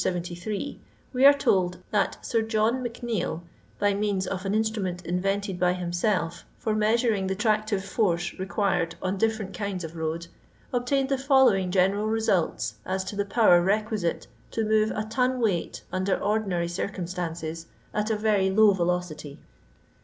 78, we aie told that Sir John Macneill, by means of an in strument invented by himself for measuring the tractive force required on different kinds of road, obtained the following general results as to the power requisite to move a ton weight under ordi nary drcnmstaneesy at a very low velocity.